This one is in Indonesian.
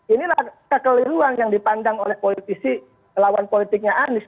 inilah kekeliruan yang dipandang oleh politisi lawan politiknya anies